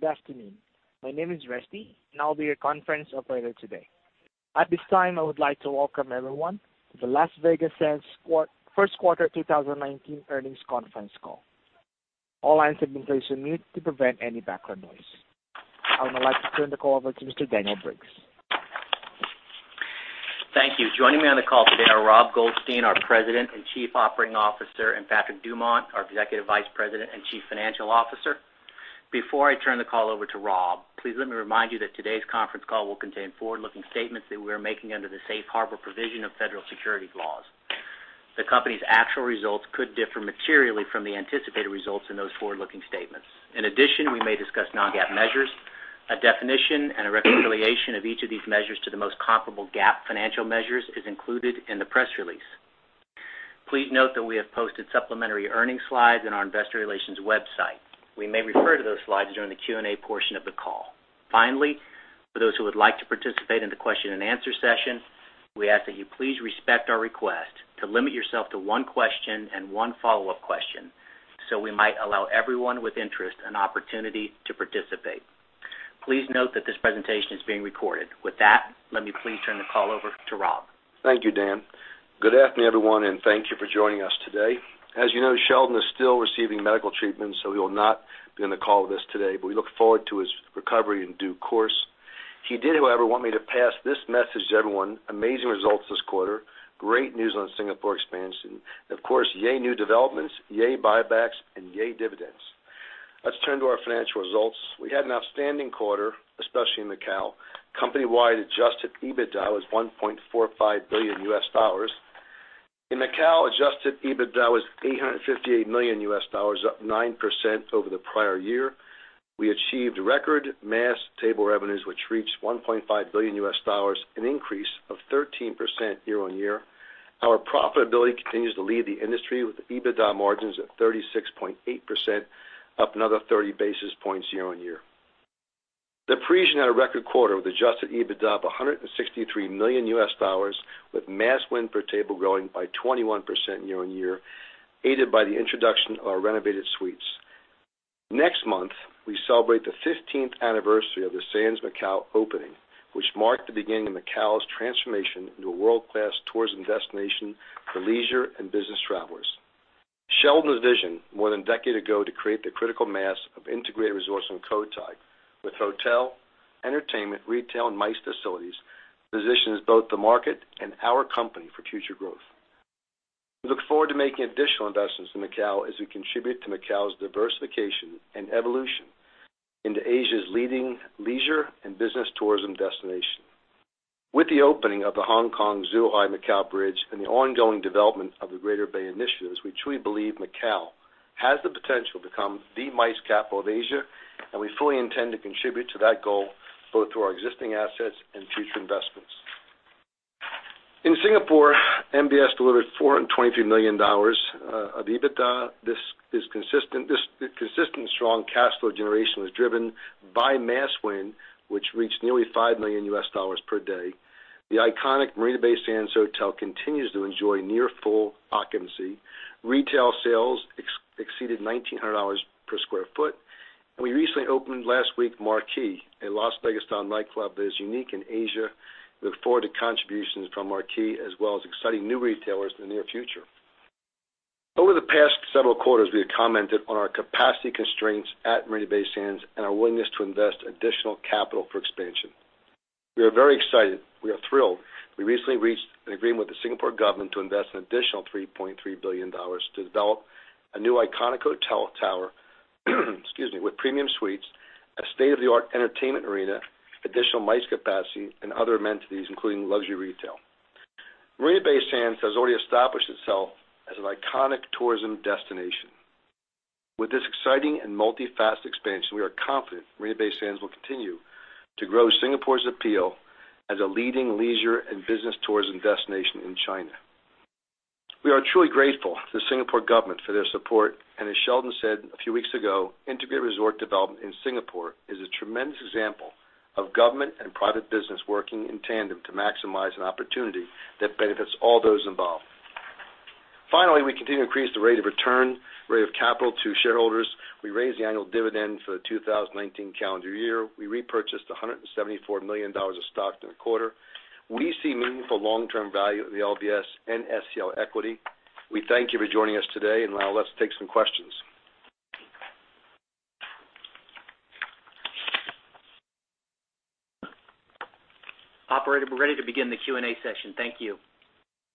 Good afternoon. My name is Rusty, and I'll be your conference operator today. At this time, I would like to welcome everyone to the Las Vegas Sands First Quarter 2019 Earnings Conference Call. All lines have been placed on mute to prevent any background noise. I would now like to turn the call over to Mr. Daniel Briggs. Thank you. Joining me on the call today are Robert Goldstein, our President and Chief Operating Officer, and Patrick Dumont, our Executive Vice President and Chief Financial Officer. Before I turn the call over to Rob, please let me remind you that today's conference call will contain forward-looking statements that we're making under the safe harbor provision of federal securities laws. The company's actual results could differ materially from the anticipated results in those forward-looking statements. In addition, we may discuss non-GAAP measures. A definition and a reconciliation of each of these measures to the most comparable GAAP financial measures is included in the press release. Please note that we have posted supplementary earnings slides on our investor relations website. We may refer to those slides during the Q&A portion of the call. Finally, for those who would like to participate in the question and answer session, we ask that you please respect our request to limit yourself to one question and one follow-up question, so we might allow everyone with interest an opportunity to participate. Please note that this presentation is being recorded. With that, let me please turn the call over to Rob. Thank you, Dan. Good afternoon, everyone, and thank you for joining us today. As you know, Sheldon is still receiving medical treatment, so he will not be on the call with us today. We look forward to his recovery in due course. He did, however, want me to pass this message to everyone: amazing results this quarter, great news on Singapore expansion, and, of course, yay new developments, yay buybacks, and yay dividends. Let's turn to our financial results. We had an outstanding quarter, especially in Macao. Company-wide adjusted EBITDA was $1.45 billion USD. In Macao, adjusted EBITDA was $858 million USD, up 9% over the prior year. We achieved record mass table revenues, which reached $1.5 billion USD, an increase of 13% year-over-year. Our profitability continues to lead the industry, with EBITDA margins at 36.8%, up another 30 basis points year-over-year. The Parisian had a record quarter, with adjusted EBITDA of $163 million US, with mass win per table growing by 21% year-over-year, aided by the introduction of our renovated suites. Next month, we celebrate the 15th anniversary of the Sands Macao opening, which marked the beginning of Macao's transformation into a world-class tourism destination for leisure and business travelers. Sheldon's vision, more than a decade ago, to create the critical mass of integrated resorts on Cotai, with hotel, entertainment, retail, and MICE facilities, positions both the market and our company for future growth. We look forward to making additional investments in Macao as we contribute to Macao's diversification and evolution into Asia's leading leisure and business tourism destination. With the opening of the Hong Kong Zhuhai Macao bridge and the ongoing development of the Greater Bay initiatives, we truly believe Macao has the potential to become the MICE capital of Asia, we fully intend to contribute to that goal, both through our existing assets and future investments. In Singapore, MBS delivered $423 million of EBITDA. This consistent strong cash flow generation was driven by mass win, which reached nearly $5 million US per day. The iconic Marina Bay Sands Hotel continues to enjoy near full occupancy. Retail sales exceeded $1,900 per sq ft. We recently opened last week, Marquee, a Las Vegas-style nightclub that is unique in Asia. We look forward to contributions from Marquee as well as exciting new retailers in the near future. Over the past several quarters, we have commented on our capacity constraints at Marina Bay Sands and our willingness to invest additional capital for expansion. We are very excited. We are thrilled. We recently reached an agreement with the Singapore government to invest an additional $3.3 billion to develop a new iconic hotel tower with premium suites, a state-of-the-art entertainment arena, additional MICE capacity, and other amenities, including luxury retail. Marina Bay Sands has already established itself as an iconic tourism destination. With this exciting and multi-faceted expansion, we are confident Marina Bay Sands will continue to grow Singapore's appeal as a leading leisure and business tourism destination in China. We are truly grateful to the Singapore government for their support, as Sheldon said a few weeks ago, integrated resort development in Singapore is a tremendous example of government and private business working in tandem to maximize an opportunity that benefits all those involved. Finally, we continue to increase the rate of return, rate of capital to shareholders. We raised the annual dividend for the 2019 calendar year. We repurchased $174 million of stock in the quarter. We see meaningful long-term value in the LVS and SCL equity. Now let's take some questions. Operator, we're ready to begin the Q&A session. Thank you.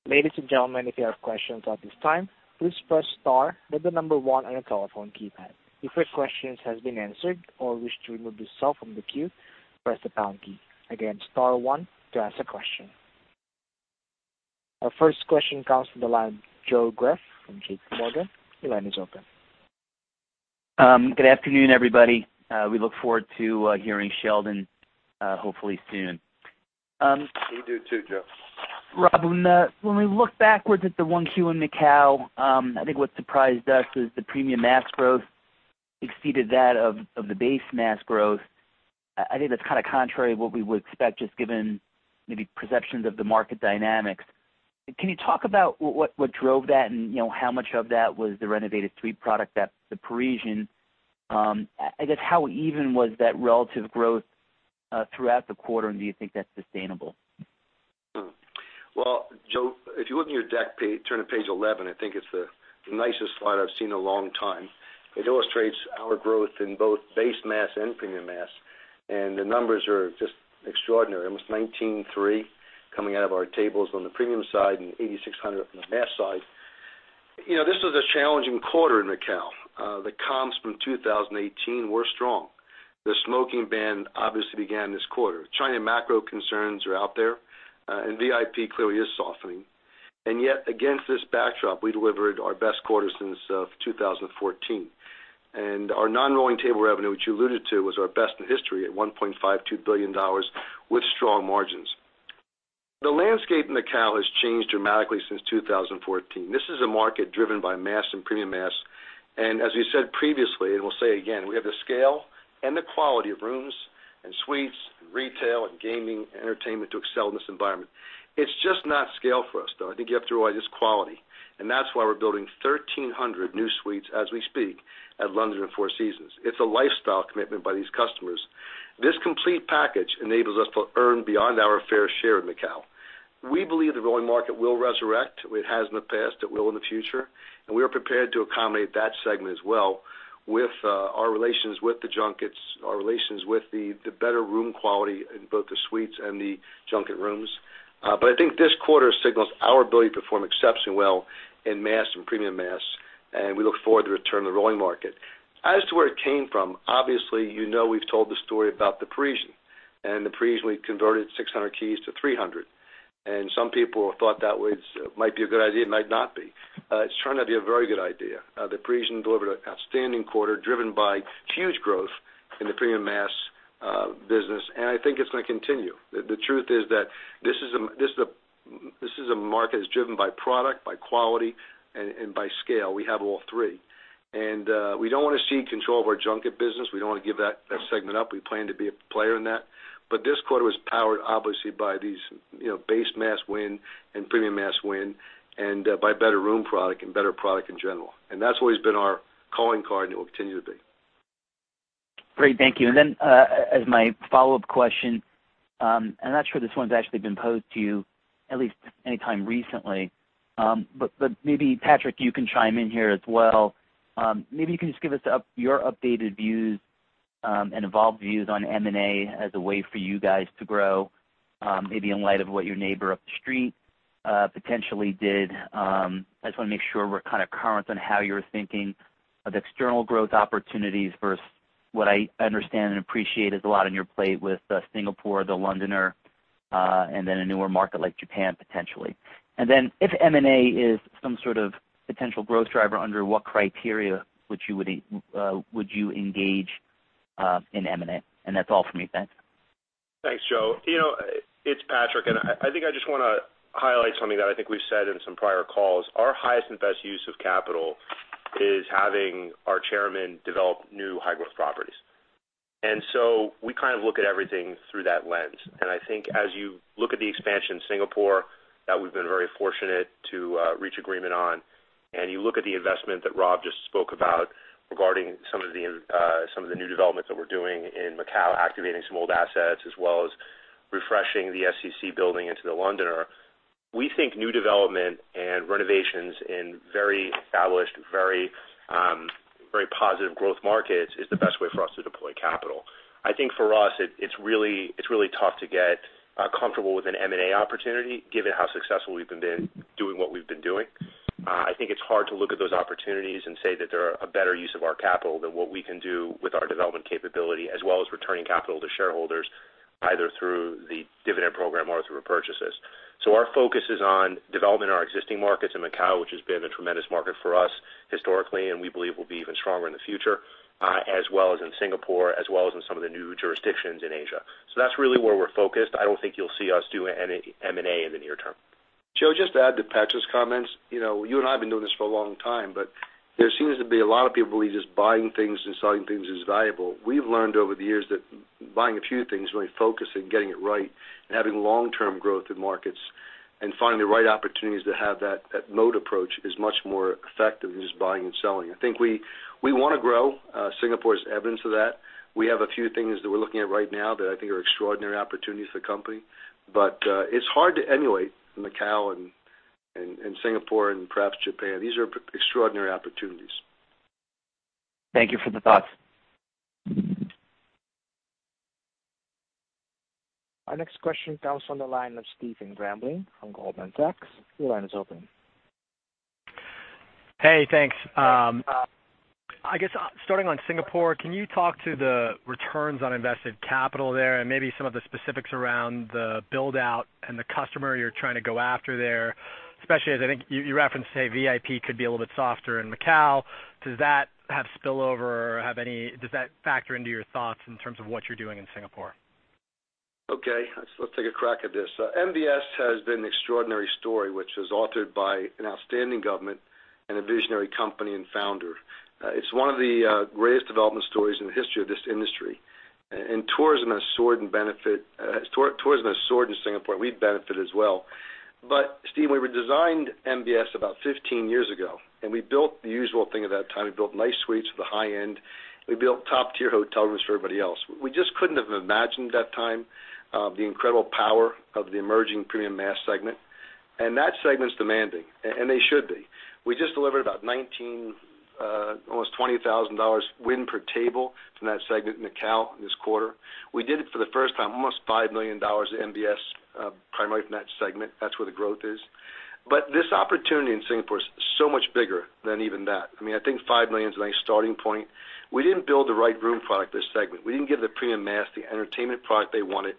Ladies and gentlemen, if you have questions at this time, please press star, then the number 1 on your telephone keypad. If your question has been answered or wish to remove yourself from the queue, press the pound key. Again, star 1 to ask a question. Our first question comes from the line of Joseph Greff from J.P. Morgan. Your line is open. Good afternoon, everybody. We look forward to hearing Sheldon, hopefully soon. We do too, Joe. Rob, when we look backwards at the 1Q in Macao, I think what surprised us is the premium mass growth exceeded that of the base mass growth. I think that's kind of contrary to what we would expect, just given maybe perceptions of the market dynamics. Can you talk about what drove that and how much of that was the renovated suite product at The Parisian? I guess, how even was that relative growth throughout the quarter, and do you think that's sustainable? Well, Joe, if you look in your deck, turn to page 11, I think it's the nicest slide I've seen in a long time. It illustrates our growth in both base mass and premium mass, and the numbers are just extraordinary. Almost 1,903 coming out of our tables on the premium side and 8,600 up on the mass side. This was a challenging quarter in Macao. The comps from 2018 were strong. The smoking ban obviously began this quarter. China macro concerns are out there, and VIP clearly is softening. Yet, against this backdrop, we delivered our best quarter since 2014. Our non-rolling table revenue, which you alluded to, was our best in history at $1.52 billion, with strong margins. The landscape in Macao has changed dramatically since 2014. This is a market driven by mass and premium mass. As we said previously, we'll say again, we have the scale and the quality of rooms and suites, retail and gaming, entertainment to excel in this environment. It's just not scale for us, though. I think you have to always quality, and that's why we're building 1,300 new suites as we speak at London and Four Seasons. It's a lifestyle commitment by these customers. This complete package enables us to earn beyond our fair share in Macao. We believe the rolling market will resurrect. It has in the past, it will in the future, and we are prepared to accommodate that segment as well with our relations with the junkets, our relations with the better room quality in both the suites and the junket rooms. I think this quarter signals our ability to perform exceptionally well in mass and premium mass, we look forward to return to the rolling market. As to where it came from, obviously, you know we've told the story about The Parisian. The Parisian, we converted 600 keys to 300, some people thought that might be a good idea, might not be. It's turning out to be a very good idea. The Parisian delivered an outstanding quarter, driven by huge growth in the premium mass business, I think it's going to continue. The truth is that this is a market that's driven by product, by quality, and by scale. We have all three. We don't want to cede control of our junket business. We don't want to give that segment up. We plan to be a player in that. This quarter was powered, obviously, by these base mass win and premium mass win, and by better room product and better product in general. That's always been our calling card, and it will continue to be. Great, thank you. As my follow-up question, I'm not sure this one's actually been posed to you, at least anytime recently, but maybe Patrick, you can chime in here as well. Maybe you can just give us your updated views and evolved views on M&A as a way for you guys to grow, maybe in light of what your neighbor up the street potentially did. I just want to make sure we're kind of current on how you're thinking of external growth opportunities versus what I understand and appreciate is a lot on your plate with Singapore, The Londoner, and then a newer market like Japan, potentially. If M&A is some sort of potential growth driver, under what criteria would you engage in M&A? That's all for me. Thanks. Thanks, Joe. It's Patrick, and I think I just want to highlight something that I think we've said in some prior calls. Our highest and best use of capital is having our chairman develop new high-growth properties. So we kind of look at everything through that lens. I think as you look at the expansion in Singapore that we've been very fortunate to reach agreement on, and you look at the investment that Rob just spoke about regarding some of the new developments that we're doing in Macao, activating some old assets, as well as refreshing the SCC building into The Londoner. We think new development and renovations in very established, very positive growth markets is the best way for us to deploy capital. I think for us, it's really tough to get comfortable with an M&A opportunity, given how successful we've been doing what we've been doing. I think it's hard to look at those opportunities and say that they're a better use of our capital than what we can do with our development capability, as well as returning capital to shareholders, either through the dividend program or through repurchases. Our focus is on developing our existing markets in Macao, which has been a tremendous market for us historically, and we believe will be even stronger in the future, as well as in Singapore, as well as in some of the new jurisdictions in Asia. That's really where we're focused. I don't think you'll see us do any M&A in the near term. Joe, just to add to Patrick's comments, you and I have been doing this for a long time, there seems to be a lot of people who believe just buying things and selling things is valuable. We've learned over the years that buying a few things, really focusing, getting it right, and having long-term growth in markets and finding the right opportunities to have that mode approach is much more effective than just buying and selling. I think we want to grow. Singapore is evidence of that. We have a few things that we're looking at right now that I think are extraordinary opportunities for the company. It's hard to emulate Macao and Singapore and perhaps Japan. These are extraordinary opportunities. Thank you for the thoughts. Our next question comes on the line of Steven Grambling from Goldman Sachs. Your line is open. Hey, thanks. I guess starting on Singapore, can you talk to the returns on invested capital there and maybe some of the specifics around the build-out and the customer you're trying to go after there, especially as I think you referenced today, VIP could be a little bit softer in Macao. Does that have spillover or does that factor into your thoughts in terms of what you're doing in Singapore? Okay, let's take a crack at this. Marina Bay Sands has been an extraordinary story, which was authored by an outstanding government and a visionary company and founder. It's one of the greatest development stories in the history of this industry. Tourism has soared in Singapore. We've benefited as well. Steven, when we designed Marina Bay Sands about 15 years ago, and we built the usual thing at that time. We built nice suites for the high end. We built top-tier hotel rooms for everybody else. We just couldn't have imagined at that time, the incredible power of the emerging premium mass segment, and that segment is demanding, and they should be. We just delivered about 19, almost $20,000 win per table from that segment in Macau this quarter. We did it for the first time, almost $5 million at Marina Bay Sands, primarily from that segment. That's where the growth is. This opportunity in Singapore is so much bigger than even that. I think $5 million is a nice starting point. We didn't build the right room product for this segment. We didn't give the premium mass the entertainment product they wanted.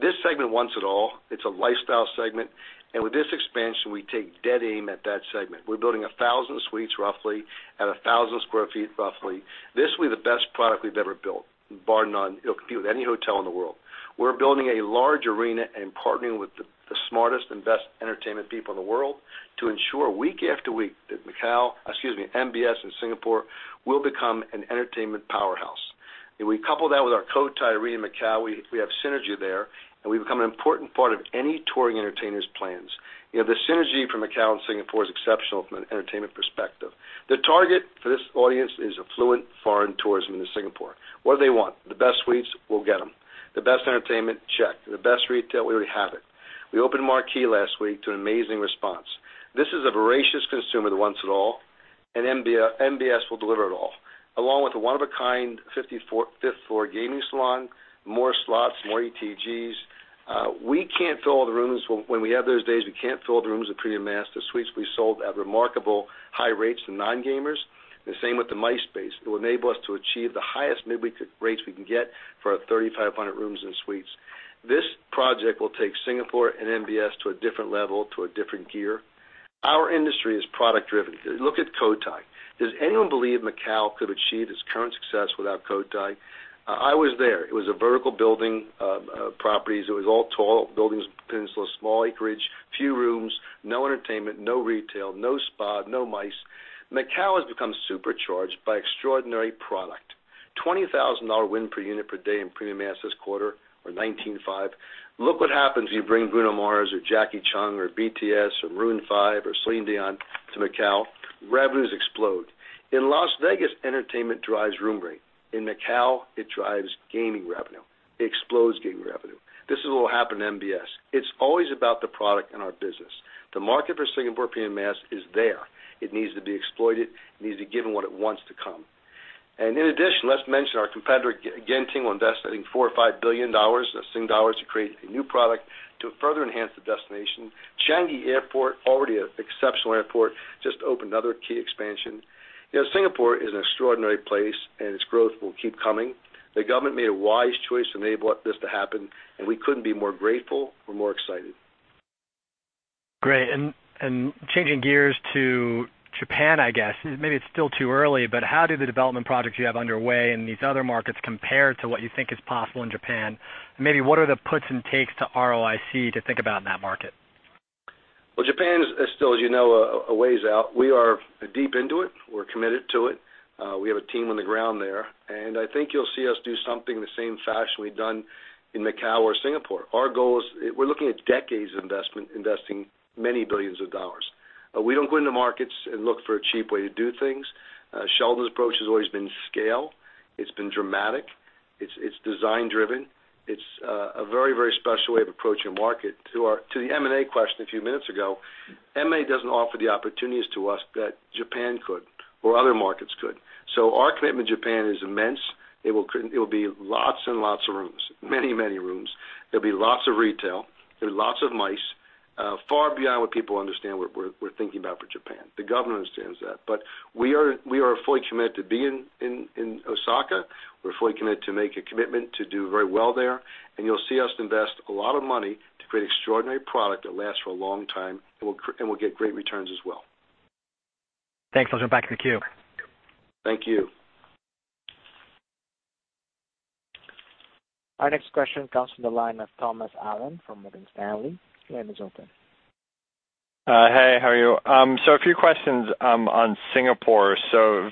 This segment wants it all. It's a lifestyle segment. With this expansion, we take dead aim at that segment. We're building 1,000 suites roughly at 1,000 sq ft roughly. This will be the best product we've ever built, bar none. It'll compete with any hotel in the world. We're building a large arena and partnering with the smartest and best entertainment people in the world to ensure week after week that Macau, excuse me, Marina Bay Sands in Singapore will become an entertainment powerhouse. We couple that with our Cotai arena in Macau. We have synergy there. We've become an important part of any touring entertainer's plans. The synergy from Macau and Singapore is exceptional from an entertainment perspective. The target for this audience is affluent foreign tourism in Singapore. What do they want? The best suites, we'll get them. The best entertainment, check. The best retail, we already have it. We opened Marquee last week to an amazing response. This is a voracious consumer that wants it all. Marina Bay Sands will deliver it all. Along with a one-of-a-kind fifth-floor gaming salon, more slots, more ETGs. We can't fill the rooms, when we have those days, we can't fill the rooms with premium mass. The suites we sold at remarkable high rates to non-gamers. The same with the MICE space. It will enable us to achieve the highest mid-week rates we can get for our 3,500 rooms and suites. This project will take Singapore and Marina Bay Sands to a different level, to a different gear. Our industry is product driven. Look at Cotai. Does anyone believe Macau could achieve its current success without Cotai? I was there. It was a vertical building of properties. It was all tall buildings, peninsula, small acreage, few rooms, no entertainment, no retail, no spa, no MICE. Macau has become supercharged by extraordinary product. $20,000 win per unit per day in premium mass this quarter, or $19,500. Look what happens when you bring Bruno Mars or Jackie Chan or BTS or Maroon 5 or Celine Dion to Macau. Revenues explode. In Las Vegas, entertainment drives room rate. In Macau, it drives gaming revenue. It explodes gaming revenue. This is what will happen to Marina Bay Sands. It's always about the product in our business. The market for Singapore premium mass is there. It needs to be exploited. It needs to be given what it wants to come. In addition, let's mention our competitor, Genting, will invest I think 4 billion or 5 billion dollars to create a new product to further enhance the destination. Changi Airport, already an exceptional airport, just opened another key expansion. Singapore is an extraordinary place, its growth will keep coming. The government made a wise choice to enable this to happen, we couldn't be more grateful or more excited. Great. Changing gears to Japan, I guess. Maybe it's still too early, but how do the development projects you have underway in these other markets compare to what you think is possible in Japan? Maybe what are the puts and takes to ROIC to think about in that market? Well, Japan is still, as you know, a ways out. We are deep into it. We're committed to it. We have a team on the ground there. I think you'll see us do something the same fashion we've done in Macau or Singapore. Our goal is we're looking at decades of investment, investing many billions of dollars. We don't go into markets and look for a cheap way to do things. Sheldon's approach has always been scale. It's been dramatic. It's design driven. It's a very special way of approaching a market. To the M&A question a few minutes ago, M&A doesn't offer the opportunities to us that Japan could or other markets could. Our commitment to Japan is immense. It will be lots and lots of rooms. Many rooms. There'll be lots of retail. There'll be lots of MICE. Far beyond what people understand we're thinking about for Japan. The government understands that. We are fully committed to being in Osaka. We're fully committed to make a commitment to do very well there. You'll see us invest a lot of money to create extraordinary product that lasts for a long time, will get great returns as well. Thanks. I'll jump back in the queue. Thank you. Our next question comes from the line of Thomas Allen from Morgan Stanley. Your line is open. Hey, how are you? A few questions on Singapore.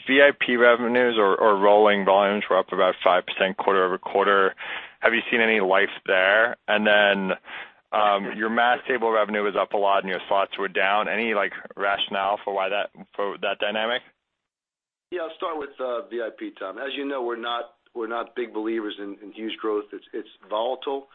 VIP revenues or rolling volumes were up about 5% quarter-over-quarter. Have you seen any life there? Your mass table revenue was up a lot and your slots were down. Any rationale for that dynamic? I'll start with VIP, Tom. As you know, we're not big believers in huge growth. It's volatile.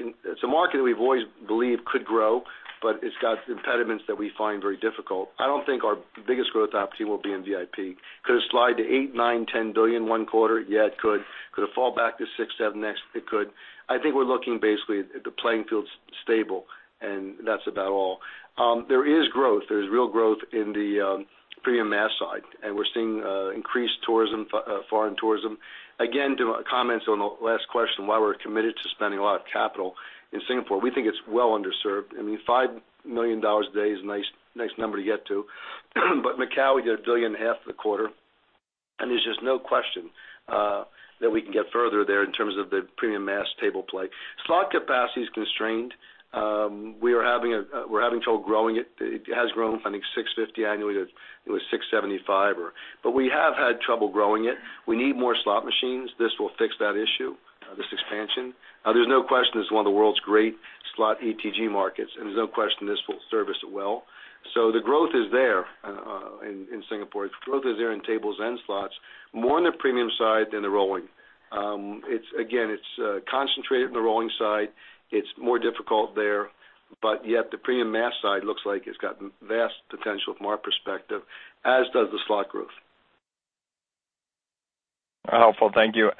It's a market that we've always believed could grow, but it's got impediments that we find very difficult. I don't think our biggest growth opportunity will be in VIP. Could it slide to $8, $9, $10 billion one quarter? It could. Could it fall back to $6, $7 next? It could. I think we're looking basically at the playing field's stable, and that's about all. There is growth. There's real growth in the premium mass side, and we're seeing increased foreign tourism. Again, to comments on the last question, why we're committed to spending a lot of capital in Singapore. We think it's well underserved. $5 million a day is a nice number to get to. Macau, we did $1.5 billion for the quarter, and there's just no question that we can get further there in terms of the premium mass table play. Slot capacity is constrained. We're having trouble growing it. It has grown, I think, 650 annually to 675. We have had trouble growing it. We need more slot machines. This will fix that issue, this expansion. There's no question it's one of the world's great slot ETG markets, and there's no question this will service it well. The growth is there in Singapore. Growth is there in tables and slots, more on the premium side than the rolling. Again, it's concentrated in the rolling side. It's more difficult there. Yet, the premium mass side looks like it's got vast potential from our perspective, as does the slot growth. Helpful. Thank you.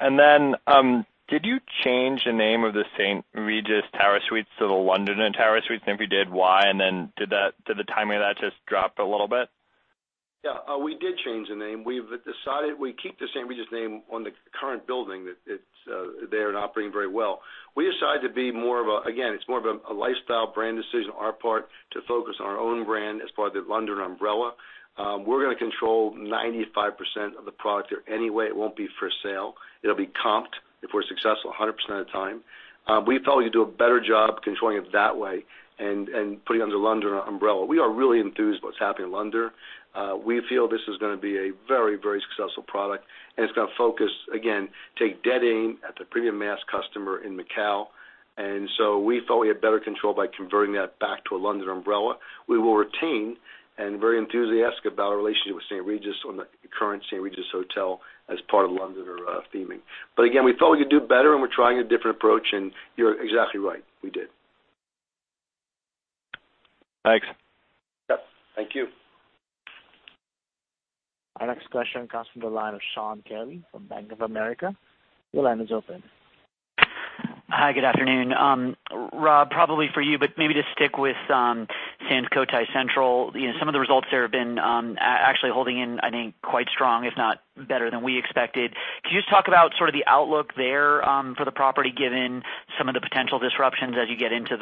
Did you change the name of The St. Regis Tower Suites to The Londoner Tower Suites? If you did, why? Did the timing of that just drop a little bit? We did change the name. We've decided we keep The St. Regis name on the current building. They are operating very well. We decided, again, it's more of a lifestyle brand decision on our part to focus on our own brand as part of The Londoner umbrella. We're going to control 95% of the product there anyway. It won't be for sale. It'll be comped, if we're successful, 100% of the time. We felt we could do a better job controlling it that way and putting it under The Londoner umbrella. We are really enthused about what's happening in The Londoner. We feel this is going to be a very successful product, and it's going to focus, again, take dead aim at the premium mass customer in Macau. We felt we had better control by converting that back to The Londoner umbrella. We will retain and very enthusiastic about our relationship with St. Regis on the current St. Regis hotel as part of London theming. Again, we felt we could do better, we're trying a different approach, you're exactly right. We did. Thanks. Yep. Thank you. Our next question comes from the line of Shaun Kelley from Bank of America. Your line is open. Hi, good afternoon. Rob, probably for you, maybe just stick with Sands Cotai Central. Some of the results there have been actually holding in, I think, quite strong, if not better than we expected. Could you just talk about sort of the outlook there for the property, given some of the potential disruptions as you get into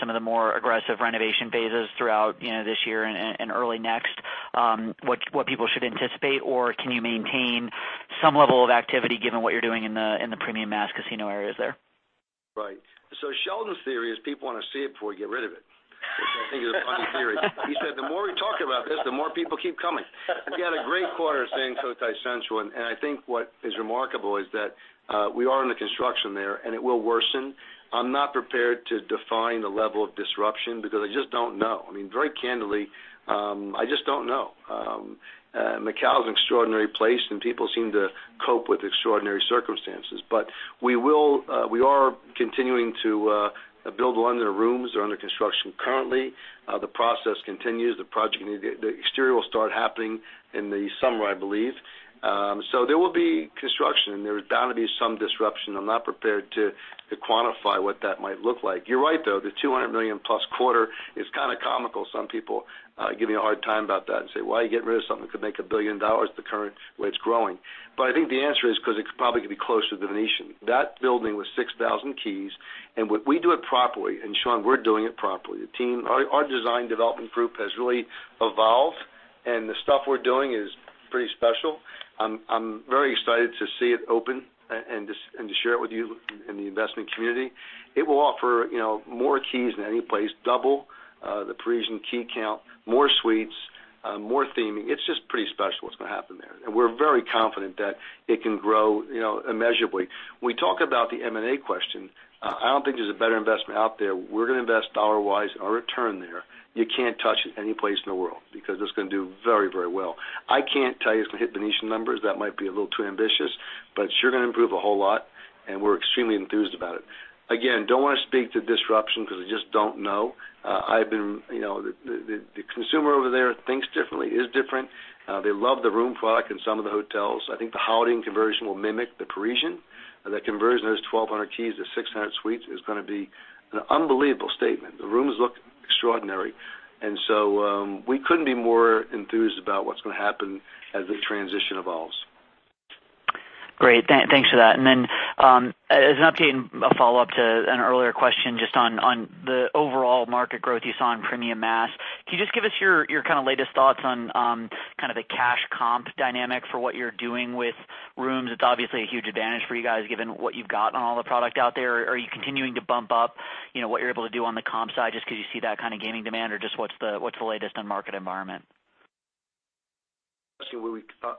some of the more aggressive renovation phases throughout this year and early next, what people should anticipate? Can you maintain some level of activity given what you're doing in the premium mass casino areas there? Right. Sheldon's theory is people want to see it before we get rid of it, which I think is a funny theory. He said, "The more we talk about this, the more people keep coming." Again, a great quarter at Sands Cotai Central, and I think what is remarkable is that we are in the construction there, and it will worsen. I'm not prepared to define the level of disruption because I just don't know. Very candidly, I just don't know. Macau is an extraordinary place, and people seem to cope with extraordinary circumstances. We are continuing to build London rooms. They're under construction currently. The process continues. The exterior will start happening in the summer, I believe. There will be construction, and there's bound to be some disruption. I'm not prepared to quantify what that might look like. You're right, though. The $200 million-plus quarter is kind of comical. Some people give me a hard time about that and say, "Why are you getting rid of something that could make $1 billion the current way it's growing?" I think the answer is because it's probably going to be closer to The Venetian. That building was 6,000 keys, and when we do it properly, and Shaun, we're doing it properly. Our design development group has really evolved, and the stuff we're doing is pretty special. I'm very excited to see it open and to share it with you in the investment community. It will offer more keys than any place, double The Parisian key count, more suites, more theming. It's just pretty special what's going to happen there, and we're very confident that it can grow immeasurably. We talk about the M&A question. I don't think there's a better investment out there. We're going to invest dollar-wise on return there. You can't touch it any place in the world because it's going to do very well. I can't tell you it's going to hit The Venetian numbers. That might be a little too ambitious. It's sure going to improve a whole lot, and we're extremely enthused about it. Again, don't want to speak to disruption because I just don't know. The consumer over there thinks differently, is different. They love the room product in some of the hotels. I think the Holiday Inn conversion will mimic The Parisian. That conversion of those 1,200 keys to 600 suites is going to be an unbelievable statement. The rooms look extraordinary. We couldn't be more enthused about what's going to happen as the transition evolves. Great. Thanks for that. As an update and a follow-up to an earlier question just on the overall market growth you saw in premium mass. Can you just give us your latest thoughts on kind of the cash comp dynamic for what you're doing with rooms? It's obviously a huge advantage for you guys given what you've got on all the product out there. Are you continuing to bump up what you're able to do on the comp side just because you see that kind of gaming demand, or just what's the latest on market environment?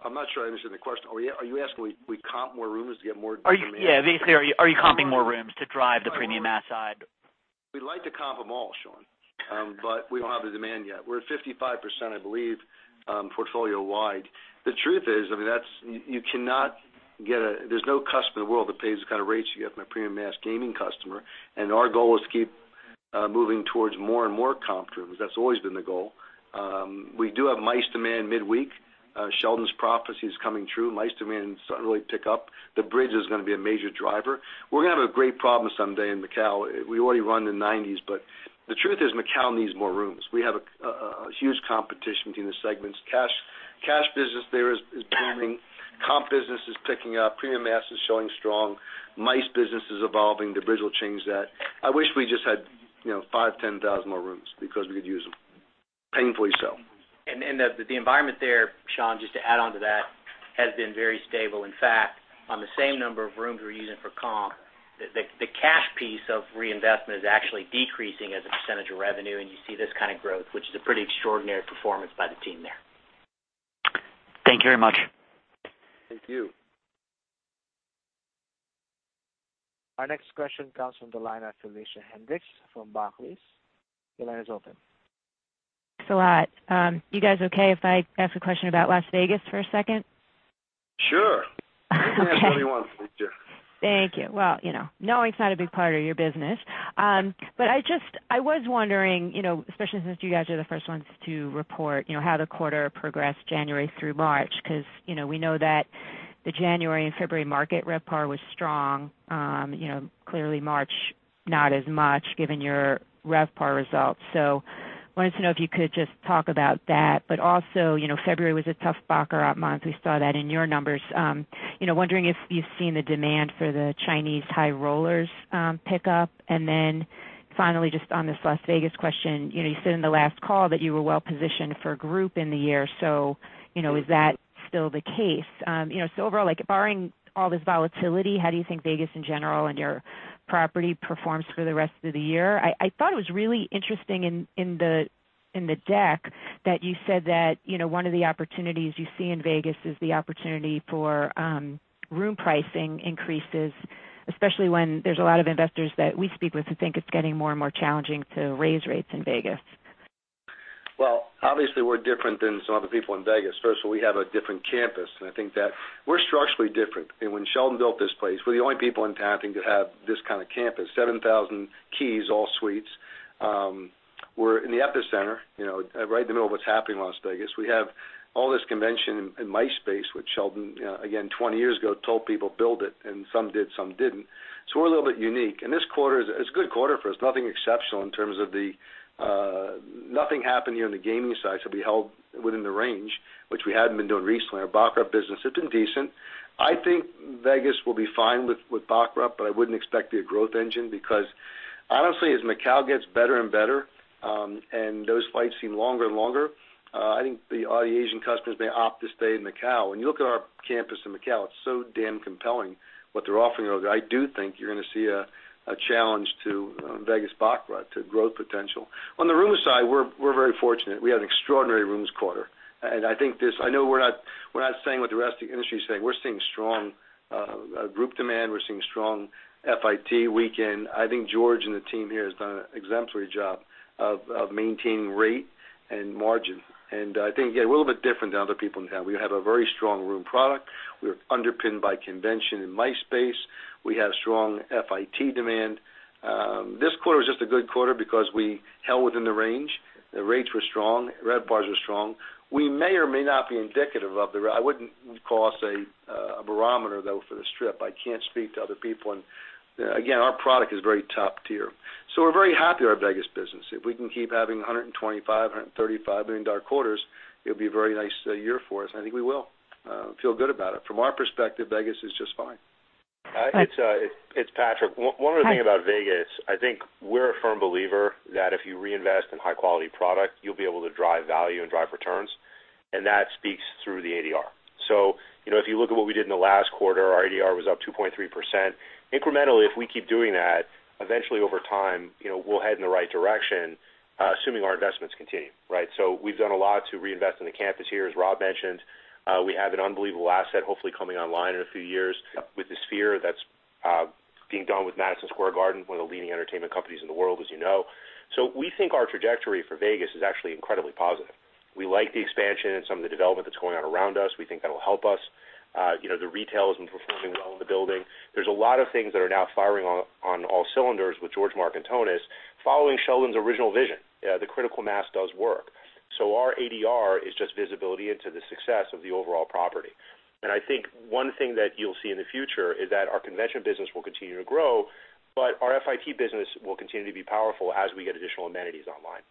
I'm not sure I understand the question. Are you asking we comp more rooms to get more demand? Yeah. Basically, are you comping more rooms to drive the premium mass side? We'd like to comp them all, Shaun, we don't have the demand yet. We're at 55%, I believe, portfolio-wide. The truth is, there's no customer in the world that pays the kind of rates you get from a premium mass gaming customer, Our goal is to keep moving towards more and more comp rooms. That's always been the goal. We do have MICE demand midweek. Sheldon's prophecy is coming true. MICE demand suddenly pick up. The bridge is going to be a major driver. We're going to have a great problem someday in Macao. We already run the 90s, The truth is Macao needs more rooms. We have a huge competition between the segments. Cash business there is booming. Comp business is picking up. Premium mass is showing strong. MICE business is evolving. The bridge will change that. I wish we just had 5,000, 10,000 more rooms because we could use them painfully so. The environment there, Shaun, just to add onto that, has been very stable. In fact, on the same number of rooms we're using for comp, the cash piece of reinvestment is actually decreasing as a % of revenue, and you see this kind of growth, which is a pretty extraordinary performance by the team there. Thank you very much. Thank you. Our next question comes from the line of Felicia Hendrix from Barclays. Your line is open. Thanks a lot. You guys okay if I ask a question about Las Vegas for a second? Sure. Okay. You can ask whatever you want, Felicia. Thank you. Well, knowing it's not a big part of your business. I was wondering, especially since you guys are the first ones to report how the quarter progressed January through March, because we know that the January and February market RevPAR was strong. Clearly March, not as much given your RevPAR results. Wanted to know if you could just talk about that. Also, February was a tough baccarat month, we saw that in your numbers. Wondering if you've seen the demand for the Chinese high rollers pick up. Finally, just on this Las Vegas question, you said in the last call that you were well-positioned for group in the year. Is that still the case? Overall, like barring all this volatility, how do you think Vegas in general and your property performs for the rest of the year? I thought it was really interesting in the deck that you said that one of the opportunities you see in Vegas is the opportunity for room pricing increases, especially when there's a lot of investors that we speak with who think it's getting more and more challenging to raise rates in Vegas. Obviously we're different than some other people in Vegas. First of all, we have a different campus, I think that we're structurally different. When Sheldon built this place, we're the only people in town to have this kind of campus, 7,000 keys, all suites. We're in the epicenter right in the middle of what's happening in Las Vegas. We have all this convention and MICE space, which Sheldon, again, 20 years ago told people build it and some did, some didn't. We're a little bit unique. This quarter is a good quarter for us. Nothing exceptional in terms of nothing happened here on the gaming side, so we held within the range, which we hadn't been doing recently. Our baccarat business has been decent. I think Vegas will be fine with baccarat, I wouldn't expect it to be a growth engine because honestly, as Macau gets better and better, those flights seem longer and longer, I think the Asian customers may opt to stay in Macau. When you look at our campus in Macau, it's so damn compelling what they're offering over there. I do think you're going to see a challenge to Vegas baccarat to growth potential. On the room side, we're very fortunate. We had an extraordinary rooms quarter, I think this. I know we're not saying what the rest of the industry is saying. We're seeing strong group demand. We're seeing strong FIT weekend. I think George and the team here has done an exemplary job of maintaining rate and margin. I think, again, we're a little bit different than other people in town. We have a very strong room product. We're underpinned by convention and MICE space. We have strong FIT demand. This quarter was just a good quarter because we held within the range. The rates were strong. RevPARs were strong. We may or may not be indicative of. I wouldn't call us a barometer, though, for the Strip. I can't speak to other people. Again, our product is very top tier. We're very happy with our Vegas business. If we can keep having $125 million, $135 million quarters, it'll be a very nice year for us, I think we will feel good about it. From our perspective, Vegas is just fine. Okay. It's Patrick. One other thing about Vegas, I think we're a firm believer that if you reinvest in high-quality product, you'll be able to drive value and drive returns, that speaks through the ADR. If you look at what we did in the last quarter, our ADR was up 2.3%. Incrementally, if we keep doing that, eventually over time we'll head in the right direction, assuming our investments continue, right? We've done a lot to reinvest in the campus here. As Rob mentioned, we have an unbelievable asset hopefully coming online in a few years with the Sphere that's being done with Madison Square Garden, one of the leading entertainment companies in the world, as you know. We think our trajectory for Vegas is actually incredibly positive. We like the expansion and some of the development that's going on around us. We think that'll help us. The retail has been performing well in the building. There's a lot of things that are now firing on all cylinders with George Markantonis following Sheldon's original vision. The critical mass does work. Our ADR is just visibility into the success of the overall property. I think one thing that you'll see in the future is that our convention business will continue to grow, but our FIT business will continue to be powerful as we get additional amenities online.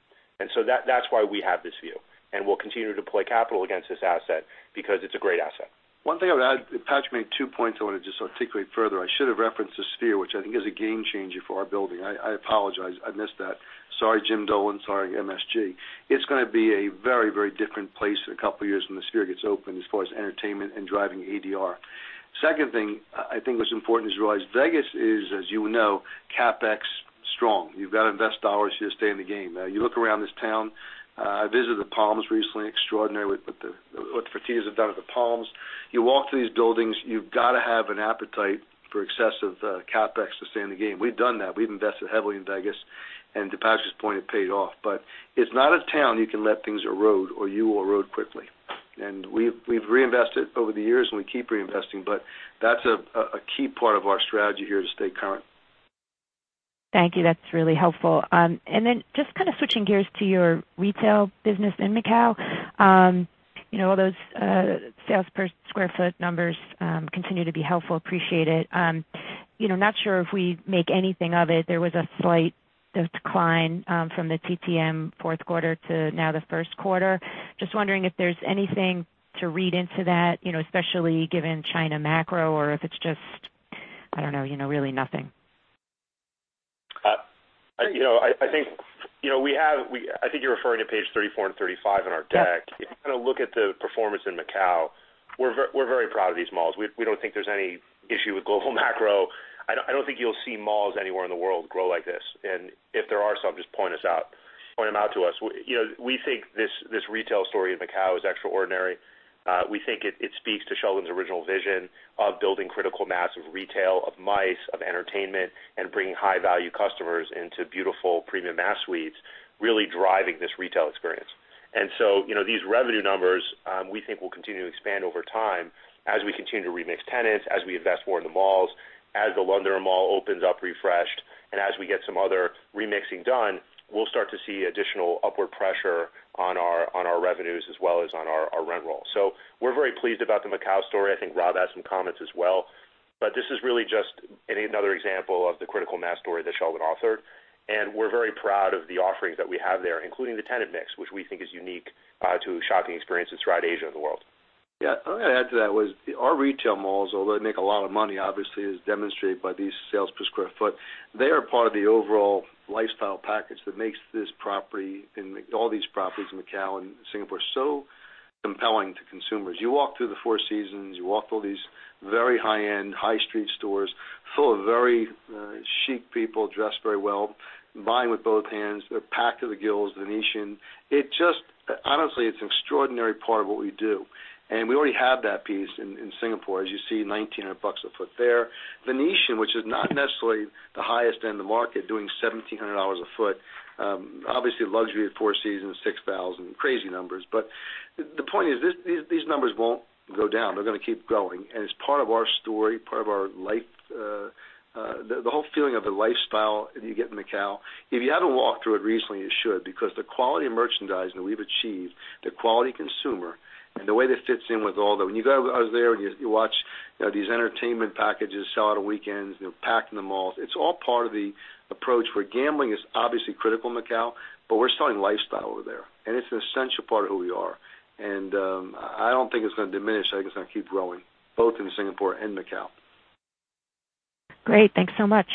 That's why we have this view, and we'll continue to deploy capital against this asset because it's a great asset. One thing I would add, Patrick made two points I want to just articulate further. I should have referenced the Sphere, which I think is a game changer for our building. I apologize I missed that. Sorry, Jim Dolan. Sorry, MSG. It's going to be a very different place in a couple of years when the Sphere gets open as far as entertainment and driving ADR. Second thing, I think what's important is Vegas is, as you know, CapEx strong. You've got to invest dollars to stay in the game. You look around this town. I visited the Palms recently, extraordinary what the Fertittas have done at the Palms. You walk through these buildings, you've got to have an appetite for excessive CapEx to stay in the game. We've done that. We've invested heavily in Vegas, and to Patrick's point, it paid off. It's not a town you can let things erode or you will erode quickly. We've reinvested over the years, and we keep reinvesting, that's a key part of our strategy here to stay current. Thank you. That's really helpful. Then just kind of switching gears to your retail business in Macau. All those sales per square foot numbers continue to be helpful. Appreciate it. Not sure if we make anything of it. There was a slight decline from the TTM fourth quarter to now the first quarter. Just wondering if there's anything to read into that, especially given China macro, or if it's just, I don't know, really nothing. I think you're referring to page 34 and 35 in our deck. Yep. If you kind of look at the performance in Macau, we're very proud of these malls. We don't think there's any issue with global macro. I don't think you'll see malls anywhere in the world grow like this, and if there are some, just point them out to us. We think this retail story in Macau is extraordinary. We think it speaks to Sheldon's original vision of building critical mass of retail, of MICE, of entertainment, and bringing high-value customers into beautiful premium mass suites, really driving this retail experience. These revenue numbers, we think, will continue to expand over time as we continue to remix tenants, as we invest more in the malls, as the London Mall opens up refreshed, and as we get some other remixing done. We'll start to see additional upward pressure on our revenues as well as on our rent roll. We're very pleased about the Macau story. I think Rob has some comments as well, but this is really just another example of the critical mass story that Sheldon authored. We're very proud of the offerings that we have there, including the tenant mix, which we think is unique to shopping experiences throughout Asia and the world. Yeah. I'm going to add to that was, our retail malls, although they make a lot of money, obviously as demonstrated by these sales per square foot, they are part of the overall lifestyle package that makes this property and all these properties in Macau and Singapore so compelling to consumers. You walk through the Four Seasons, you walk through these very high-end, high street stores full of very chic people, dressed very well, buying with both hands. They're packed to the gills, Venetian. Honestly, it's an extraordinary part of what we do, and we already have that piece in Singapore. As you see, $1,900 a foot there. Venetian, which is not necessarily the highest end of the market, doing $1,700 a foot. Obviously luxury at Four Seasons, $6,000. Crazy numbers. The point is, these numbers won't go down. They're going to keep growing, it's part of our story, the whole feeling of the lifestyle that you get in Macau. If you haven't walked through it recently, you should, because the quality of merchandising that we've achieved, the quality consumer, and the way that fits in with all that. When you go there and you watch these entertainment packages sell out on weekends, packed in the malls, it's all part of the approach where gambling is obviously critical in Macau, but we're selling lifestyle over there, and it's an essential part of who we are. I don't think it's going to diminish. I think it's going to keep growing, both in Singapore and Macau. Great. Thanks so much.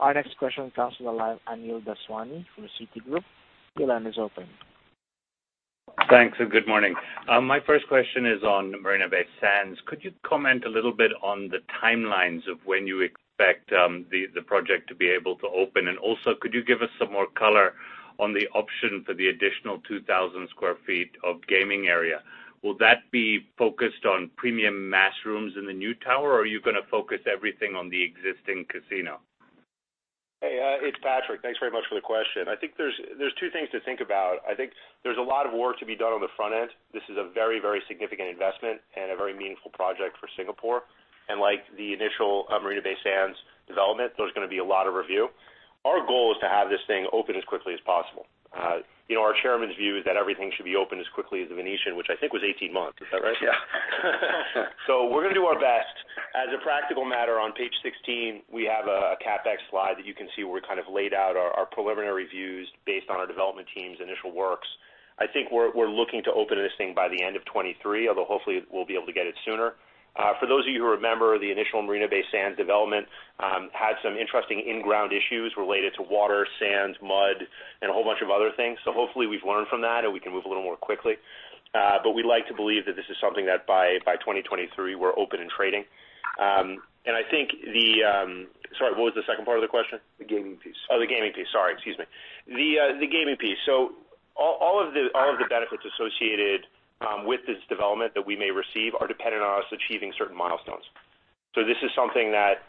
Our next question comes from the line of Anil Daswani from Citigroup. Your line is open. Thanks, good morning. My first question is on Marina Bay Sands. Could you comment a little bit on the timelines of when you expect the project to be able to open? Also, could you give us some more color on the option for the additional 2,000 sq ft of gaming area? Will that be focused on premium mass rooms in the new tower, or are you going to focus everything on the existing casino? Hey, it's Patrick. Thanks very much for the question. I think there's two things to think about. I think there's a lot of work to be done on the front end. This is a very significant investment and a very meaningful project for Singapore. Like the initial Marina Bay Sands development, there's going to be a lot of review. Our goal is to have this thing open as quickly as possible. Our chairman's view is that everything should be open as quickly as The Venetian, which I think was 18 months. Is that right? Yeah. We're going to do our best. As a practical matter, on page 16, we have a CapEx slide that you can see where we kind of laid out our preliminary views based on our development team's initial works. I think we're looking to open this thing by the end of 2023, although hopefully we'll be able to get it sooner. For those of you who remember, the initial Marina Bay Sands development had some interesting in-ground issues related to water, sand, mud, and a whole bunch of other things. Hopefully we've learned from that and we can move a little more quickly. We like to believe that this is something that by 2023, we're open and trading. Sorry, what was the second part of the question? The gaming piece. Oh, the gaming piece. Sorry. Excuse me. The gaming piece. All of the benefits associated with this development that we may receive are dependent on us achieving certain milestones. This is something that,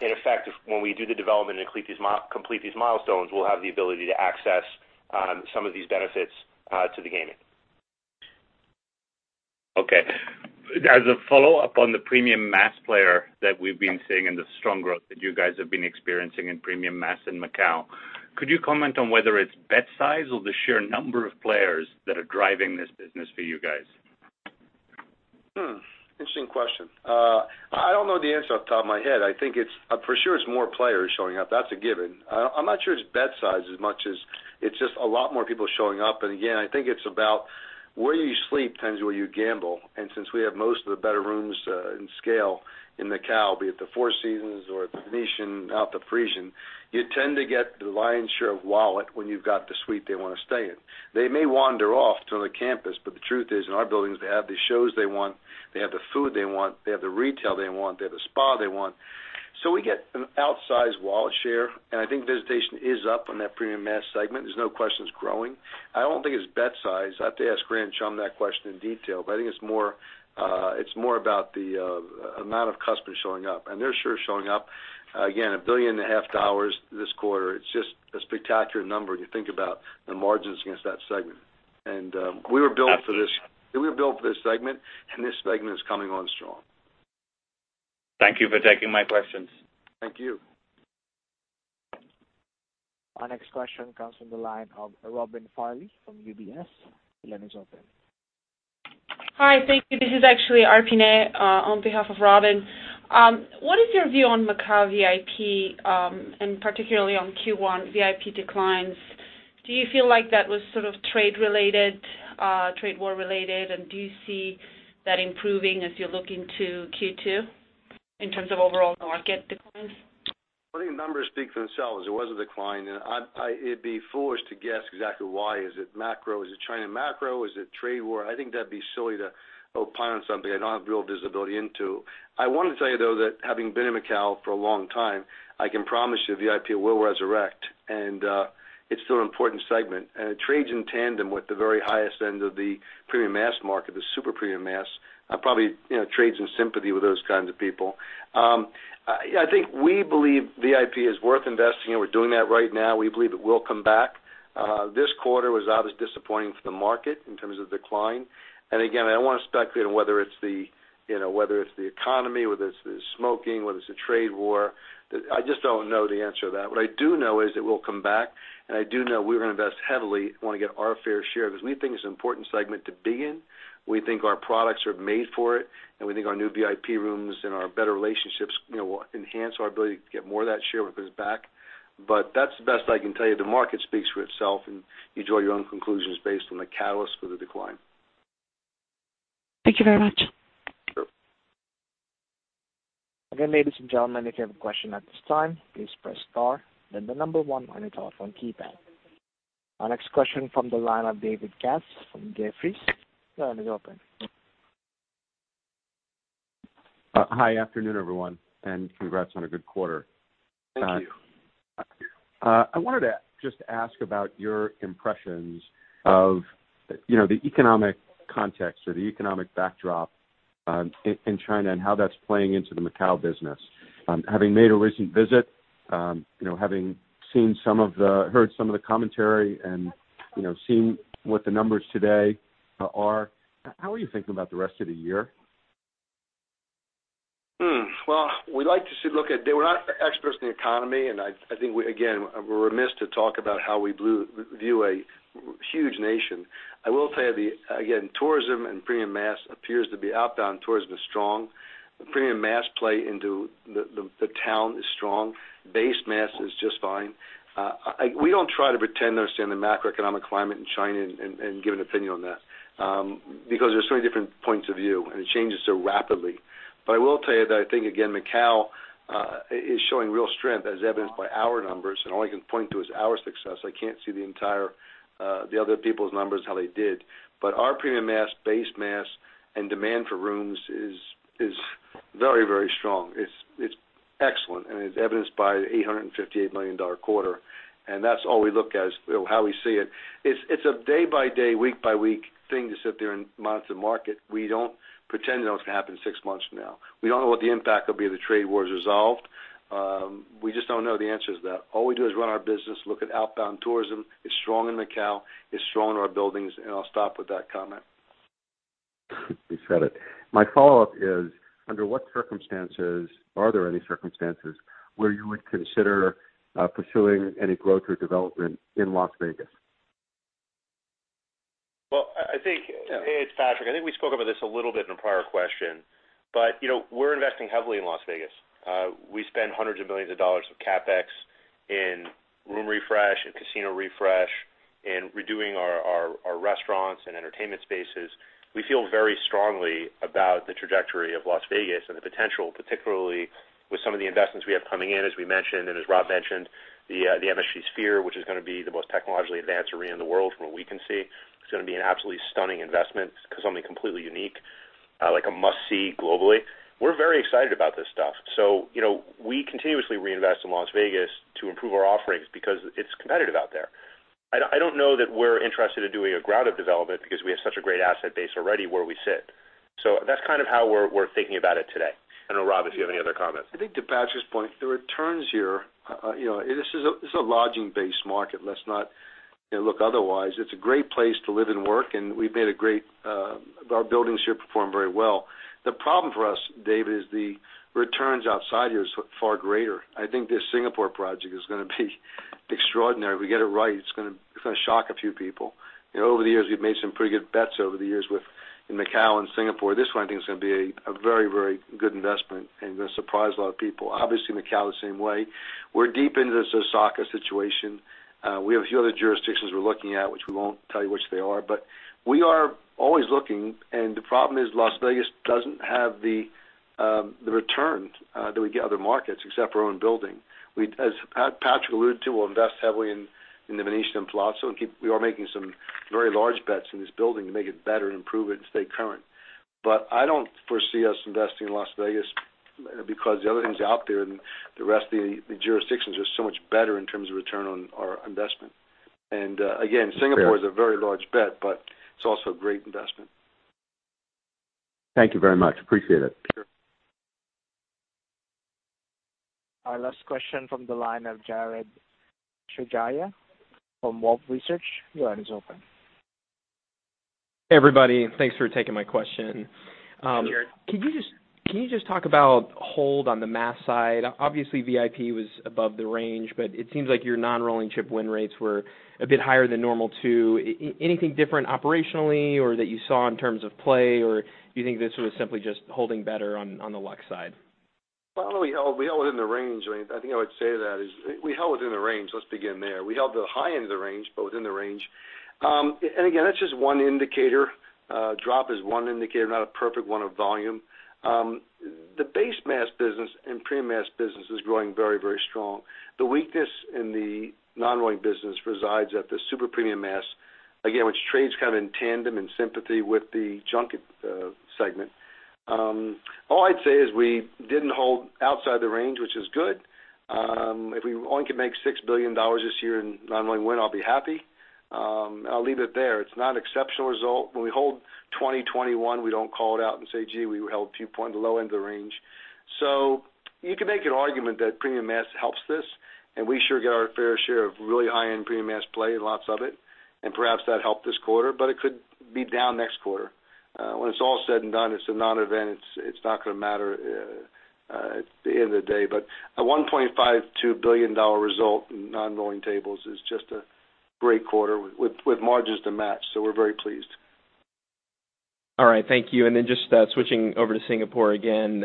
in effect, when we do the development and complete these milestones, we'll have the ability to access some of these benefits to the gaming. Okay. As a follow-up on the premium mass player that we've been seeing and the strong growth that you guys have been experiencing in premium mass in Macau, could you comment on whether it's bet size or the sheer number of players that are driving this business for you guys? Hmm. Interesting question. I don't know the answer off the top of my head. For sure it's more players showing up. That's a given. I'm not sure it's bet size as much as it's just a lot more people showing up. Again, I think it's about where you sleep times where you gamble. Since we have most of the better rooms in scale in Macau, be it the Four Seasons or at The Venetian, now at The Parisian, you tend to get the lion's share of wallet when you've got the suite they want to stay in. They may wander off to another campus, the truth is, in our buildings, they have the shows they want, they have the food they want, they have the retail they want, they have the spa they want. We get an outsized wallet share, I think visitation is up on that premium mass segment. There's no question it's growing. I don't think it's bet size. I'd have to ask Grant Chum that question in detail, I think it's more about the amount of customers showing up, they're sure showing up. Again, $1.5 billion this quarter. It's just a spectacular number when you think about the margins against that segment. We were built for this segment, this segment is coming on strong. Thank you for taking my questions. Thank you. Our next question comes from the line of Robin Farley from UBS. The line is open. Hi. Thank you. This is actually Arpine on behalf of Robin. What is your view on Macau VIP, and particularly on Q1 VIP declines? Do you feel like that was trade related, trade war related, and do you see that improving as you look into Q2 in terms of overall market declines? I think the numbers speak for themselves. It was a decline, it'd be foolish to guess exactly why. Is it macro? Is it China macro? Is it trade war? I think that'd be silly to opine on something I don't have real visibility into. I want to tell you, though, that having been in Macau for a long time, I can promise you VIP will resurrect, and it's still an important segment. It trades in tandem with the very highest end of the premium mass market, the super premium mass. Probably trades in sympathy with those kinds of people. I think we believe VIP is worth investing in. We're doing that right now. We believe it will come back. This quarter was obviously disappointing for the market in terms of decline. Again, I don't want to speculate on whether it's the economy, whether it's the smoking, whether it's the trade war. I just don't know the answer to that. What I do know is it will come back, and I do know we're going to invest heavily, want to get our fair share, because we think it's an important segment to be in. We think our products are made for it, and we think our new VIP rooms and our better relationships will enhance our ability to get more of that share when it comes back. That's the best I can tell you. The market speaks for itself, and you draw your own conclusions based on the catalyst for the decline. Thank you very much. Sure. Again, ladies and gentlemen, if you have a question at this time, please press star, then the number 1 on your telephone keypad. Our next question from the line of David Katz from Jefferies. Your line is open. Hi. Afternoon, everyone, congrats on a good quarter. Thank you. I wanted to just ask about your impressions of the economic context or the economic backdrop in China and how that's playing into the Macau business. Having made a recent visit, having heard some of the commentary and seen what the numbers today are, how are you thinking about the rest of the year? Well, we're not experts in the economy, and I think, again, we're remiss to talk about how we view a huge nation. I will tell you, again, tourism and premium mass appears to be outbound tourism is strong. The premium mass play into the town is strong. Base mass is just fine. We don't try to pretend to understand the macroeconomic climate in China and give an opinion on that because there's so many different points of view, and it changes so rapidly. I will tell you that I think, again, Macau is showing real strength as evidenced by our numbers, and all I can point to is our success. I can't see the other people's numbers, how they did. Our premium mass, base mass, and demand for rooms is very strong. It's excellent, and it's evidenced by the $858 million quarter. That's all we look as how we see it. It's a day-by-day, week-by-week thing to sit there and monitor the market. We don't pretend to know what's going to happen six months from now. We don't know what the impact will be if the trade war is resolved. We just don't know the answer to that. All we do is run our business, look at outbound tourism. It's strong in Macau, it's strong in our buildings, and I'll stop with that comment. You said it. My follow-up is, under what circumstances, are there any circumstances where you would consider pursuing any growth or development in Las Vegas? Well, hey, it's Patrick. I think we spoke about this a little bit in a prior question. We're investing heavily in Las Vegas. We spend hundreds of millions of dollars of CapEx in room refresh, in casino refresh, in redoing our restaurants and entertainment spaces. We feel very strongly about the trajectory of Las Vegas and the potential, particularly with some of the investments we have coming in, as we mentioned, and as Rob mentioned, the MSG Sphere, which is going to be the most technologically advanced arena in the world from what we can see. It's going to be an absolutely stunning investment. It's something completely unique, like a must-see globally. We're very excited about this stuff. We continuously reinvest in Las Vegas to improve our offerings because it's competitive out there. I don't know that we're interested in doing a ground-up development because we have such a great asset base already where we sit. That's kind of how we're thinking about it today. I don't know, Rob, if you have any other comments. I think to Patrick's point, the returns here, this is a lodging-based market. Let's not look otherwise. It's a great place to live and work, and our buildings here perform very well. The problem for us, David, is the returns outside here is far greater. I think this Singapore project is going to be extraordinary. If we get it right, it's going to shock a few people. Over the years, we've made some pretty good bets over the years in Macau and Singapore. This one, I think, is going to be a very good investment and going to surprise a lot of people. Obviously, Macau the same way. We're deep into this Osaka situation. We have a few other jurisdictions we're looking at, which we won't tell you which they are, but we are always looking. The problem is Las Vegas doesn't have the returns that we get other markets, except our own building. As Patrick alluded to, we'll invest heavily in The Venetian and The Palazzo. We are making some very large bets in this building to make it better, improve it, and stay current. I don't foresee us investing in Las Vegas because the other things out there in the rest of the jurisdictions are so much better in terms of return on our investment. Again, Singapore is a very large bet, but it's also a great investment. Thank you very much. Appreciate it. Sure. Our last question from the line of Jared Shojaian from Wolfe Research. Your line is open. Hey everybody, thanks for taking my question. Sure. Can you just talk about hold on the mass side? Obviously, VIP was above the range, but it seems like your non-rolling chip win rates were a bit higher than normal too. Anything different operationally or that you saw in terms of play, or do you think this was simply just holding better on the luck side? Well, we held within the range. I think I would say that is, we held within the range. Let's begin there. We held the high end of the range, but within the range. Again, that's just one indicator. Drop is one indicator, not a perfect one, of volume. The base mass business and premium mass business is growing very strong. The weakness in the non-rolling business resides at the super premium mass, again, which trades kind of in tandem, in sympathy with the junket segment. All I'd say is we didn't hold outside the range, which is good. If we only can make $6 billion this year in non-rolling win, I'll be happy. I'll leave it there. It's not an exceptional result. When we hold 2021, we don't call it out and say, "Gee, we held two point low end of the range." You could make an argument that premium mass helps this, we sure get our fair share of really high-end premium mass play, lots of it, perhaps that helped this quarter, it could be down next quarter. When it's all said and done, it's a non-event. It's not going to matter at the end of the day. A $1.52 billion result in non-rolling tables is just a great quarter with margins to match. We're very pleased. All right, thank you. Just switching over to Singapore again.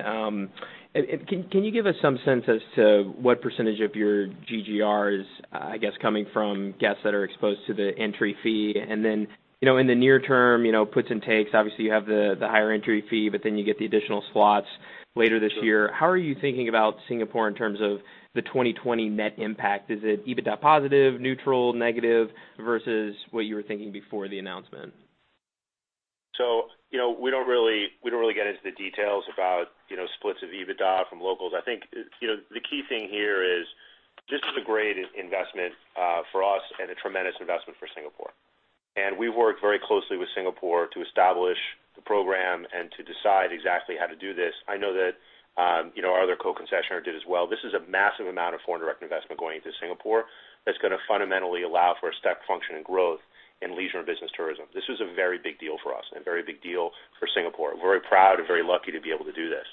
Can you give us some sense as to what % of your GGR is, I guess, coming from guests that are exposed to the entry fee? In the near term, puts and takes, obviously, you have the higher entry fee, you get the additional slots later this year. How are you thinking about Singapore in terms of the 2020 net impact? Is it EBITDA positive, neutral, negative versus what you were thinking before the announcement? We don't really get into the details about splits of EBITDA from locals. I think the key thing here is this is a great investment for us and a tremendous investment for Singapore. We worked very closely with Singapore to establish the program and to decide exactly how to do this. I know that our other co-concessionaire did as well. This is a massive amount of foreign direct investment going into Singapore that's going to fundamentally allow for a step function in growth in leisure and business tourism. This was a very big deal for us and a very big deal for Singapore. We're very proud and very lucky to be able to do this.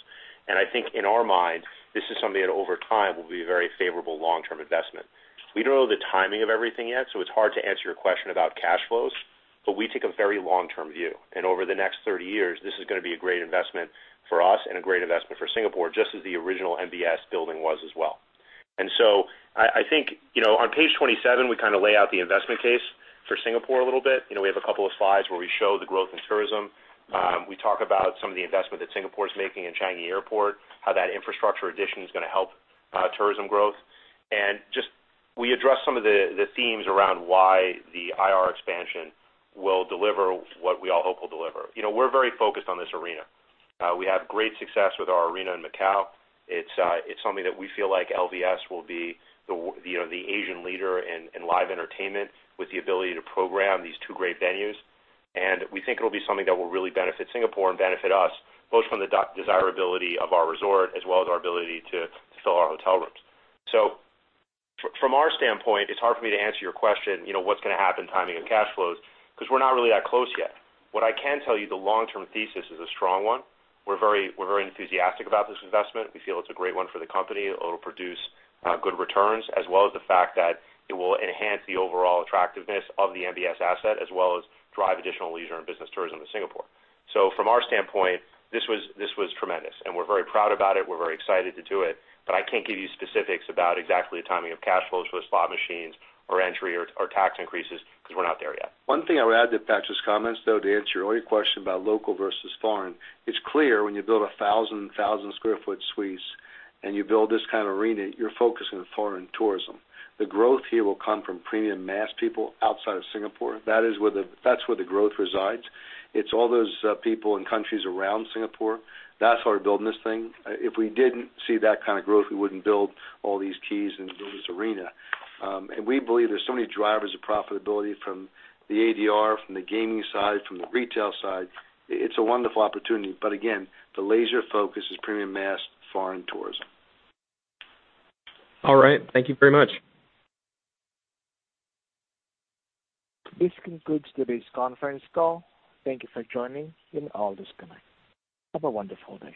I think in our minds, this is something that over time will be a very favorable long-term investment. We don't know the timing of everything yet, so it's hard to answer your question about cash flows, but we take a very long-term view. Over the next 30 years, this is going to be a great investment for us and a great investment for Singapore, just as the original Marina Bay Sands building was as well. I think on page 27, we kind of lay out the investment case for Singapore a little bit. We have a couple of slides where we show the growth in tourism. We talk about some of the investment that Singapore is making in Changi Airport, how that infrastructure addition is going to help tourism growth. Just, we address some of the themes around why the IR expansion will deliver what we all hope will deliver. We're very focused on this arena. We have great success with our arena in Macau. It's something that we feel like LVS will be the Asian leader in live entertainment with the ability to program these two great venues. We think it'll be something that will really benefit Singapore and benefit us, both from the desirability of our resort as well as our ability to fill our hotel rooms. From our standpoint, it's hard for me to answer your question, what's going to happen timing and cash flows, because we're not really that close yet. What I can tell you, the long-term thesis is a strong one. We're very enthusiastic about this investment. We feel it's a great one for the company. It'll produce good returns as well as the fact that it will enhance the overall attractiveness of the Marina Bay Sands asset as well as drive additional leisure and business tourism to Singapore. From our standpoint, this was tremendous, and we're very proud about it. We're very excited to do it. I can't give you specifics about exactly the timing of cash flows for the slot machines or entry or tax increases because we're not there yet. One thing I would add to Patrick Dumont's comments, though, to answer your question about local versus foreign. It's clear when you build 1,000 sq ft suites and you build this kind of arena, you're focusing on foreign tourism. The growth here will come from premium mass people outside of Singapore. That's where the growth resides. It's all those people in countries around Singapore. That's why we're building this thing. If we didn't see that kind of growth, we wouldn't build all these keys and build this arena. We believe there's so many drivers of profitability from the ADR, from the gaming side, from the retail side. It's a wonderful opportunity. Again, the laser focus is premium mass foreign tourism. All right. Thank you very much. This concludes today's conference call. Thank you for joining. You may all disconnect. Have a wonderful day.